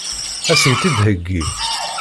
Ad sen-tt-id-theggi?